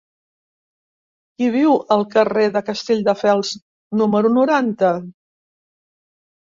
Qui viu al carrer de Castelldefels número noranta?